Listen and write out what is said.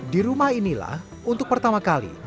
di rumah inilah untuk pertama kali